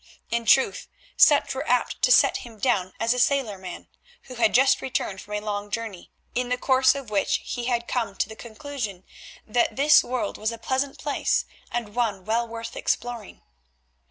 In truth, such were apt to set him down as a sailor man, who had just returned from a long journey, in the course of which he had come to the conclusion that this world was a pleasant place, and one well worth exploring.